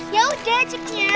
ya udah cik